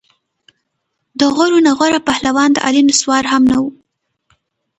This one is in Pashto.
د غورو نه غوره پهلوان د علي نسوار هم نه وو.